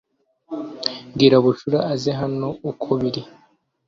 Bwira Bucura aze hano uko biri